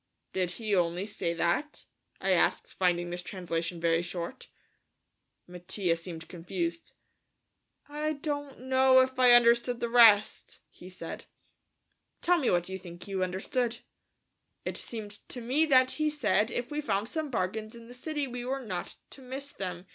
"Did he only say that?" I asked, finding this translation very short. Mattia seemed confused. "I don't know if I understood the rest," he said. "Tell me what you think you understood." "It seemed to me that he said that if we found some bargains in the city we were not to miss them.